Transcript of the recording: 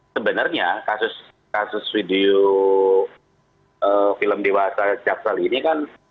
sebenarnya kasus video film dewasa jaksel ini kan